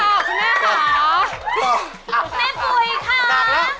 แม่ปุ๊ยคะจากแล้ว